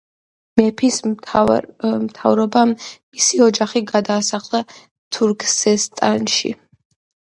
მეფის მთავრობამ მისი ოჯახი გადაასახლა თურქესტანში.